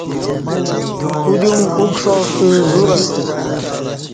کودیوم اُکݜاستہ زور اسہ